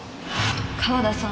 川田さん